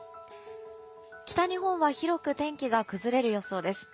北日本は広く天気が崩れる予想です。